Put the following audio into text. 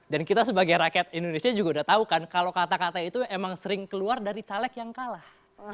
dan kita sebagai rakyat indonesia juga udah tahu kan kalau kata kata itu emang sering keluar dari caleg yang kalah